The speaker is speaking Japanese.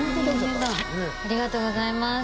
ありがとうございます。